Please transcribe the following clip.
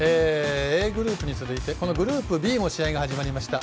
Ａグループに続いてこのグループＢも試合が始まりました。